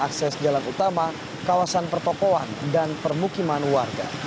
desa jalan utama kawasan pertopoan dan permukiman warga